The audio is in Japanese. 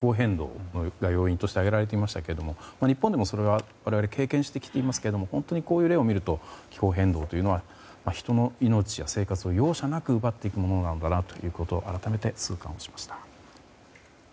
専門家の言葉の中にも気候変動が要因として挙げられていましたが日本でもそれは我々、経験してきていますが本当に、こういう例を見ると気候変動というのは人の命や生活を容赦なく奪っていくものなんだと改めて痛感をしました。